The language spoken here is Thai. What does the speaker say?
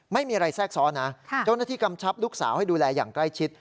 ไม่มีอะไรแทรกซ้อนนะเจ้าหน้าที่กำชับลูกสาวให้ดูแลอย่างใกล้ชิด